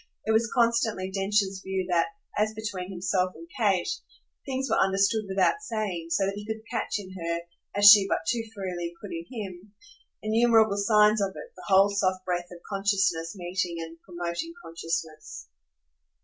It was constantly Densher's view that, as between himself and Kate, things were understood without saying, so that he could catch in her, as she but too freely could in him, innumerable signs of it, the whole soft breath of consciousness meeting and promoting consciousness.